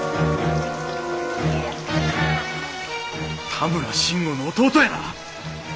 多村慎吾の弟やな？